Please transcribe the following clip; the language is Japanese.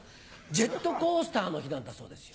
ジェットコースターの日なんだそうですよ。